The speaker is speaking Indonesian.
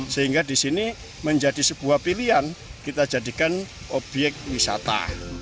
sehingga di sini menjadi sebuah pilihan kita jadikan obyek wisata